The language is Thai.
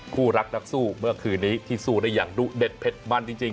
คู่รักนักสู้เมื่อคืนนี้ที่สู้ได้อย่างดุเด็ดเผ็ดมันจริง